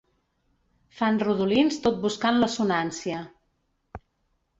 Fan rodolins tot buscant l'assonància.